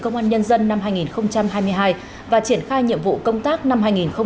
công an nhân dân năm hai nghìn hai mươi hai và triển khai nhiệm vụ công tác năm hai nghìn hai mươi bốn